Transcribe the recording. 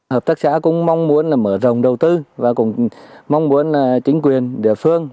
hợp tác xã cũng mong muốn là mở rộng đầu tư và cũng mong muốn chính quyền địa phương